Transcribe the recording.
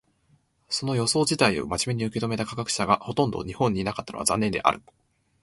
その予想自体を真面目に受け止めた科学者がほとんど日本にいなかったのは残念である。